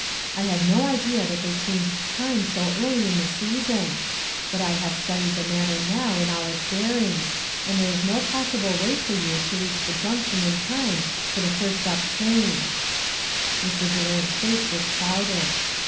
I had no idea that they changed time so early in the season ; but I have studied the matter now in all its bear ings, and there is no possible way for you to reach the junction in time for the first 1 8 ONE COMMONPLACE DAY. up train." Mr. Durant's face was clouded.